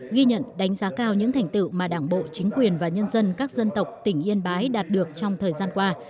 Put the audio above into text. ghi nhận đánh giá cao những thành tựu mà đảng bộ chính quyền và nhân dân các dân tộc tỉnh yên bái đạt được trong thời gian qua